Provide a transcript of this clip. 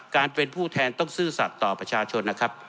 การเป็นผู้แทนต้องซื่อสัตว์ต่อประชาชนนะครับ